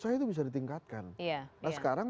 saya itu bisa ditingkatkan nah sekarang